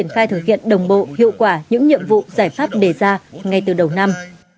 khai thực hiện đồng bộ hiệu quả những nhiệm vụ giải pháp đề ra ngay từ đầu năm